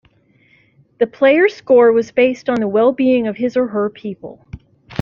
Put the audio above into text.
The player's score was based on the well-being of his or her people.